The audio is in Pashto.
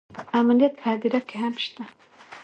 امنیت په هدیره کې هم شته